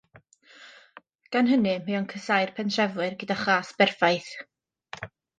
Gan hynny mae o'n casáu'r pentrefwyr gyda chas perffaith.